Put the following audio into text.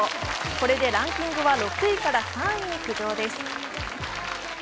これでランキングは６位から３位に浮上です。